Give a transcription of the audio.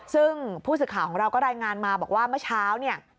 ซึ่งผู้สื่อข่าวของเราก็รายงานมาบอกว่าเมื่อเช้าเนี่ย